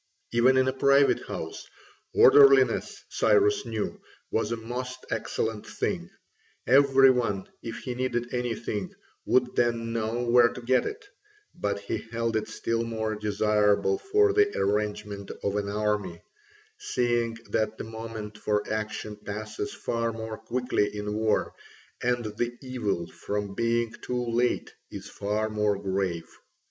Even in a private house, orderliness, Cyrus knew, was a most excellent thing: every one, if he needed anything, would then know where to get it; but he held it still more desirable for the arrangement of an army, seeing that the moment for action passes far more quickly in war and the evil from being too late is far more grave.